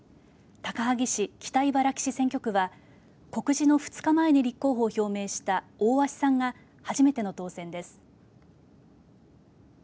高萩市・北茨城市選挙区は告示の２日前に立候補を表明した大足さんが初めての当選です。